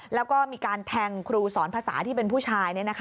แล้วก็มีการแทงครูสอนภาษาที่เป็นผู้ชาย